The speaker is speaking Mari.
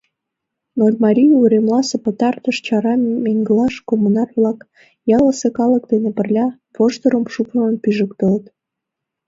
Нольмарий уремласе пытартыш чара меҥгылаш коммунар-влак ялысе калык дене пырля воштырым шупшын пижыктылыт.